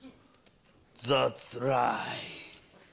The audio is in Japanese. ザッツライト。